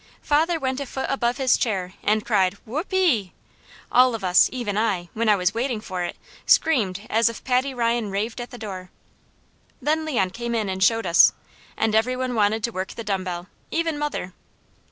Father went a foot above his chair and cried: "Whoo pee!" All of us, even I, when I was waiting for it, screamed as if Paddy Ryan raved at the door. Then Leon came in and showed us, and every one wanted to work the dumb bell, even mother.